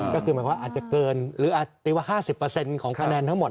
ก็คือหมายความว่าอาจจะเกินหรืออาตีว่า๕๐ของคะแนนทั้งหมด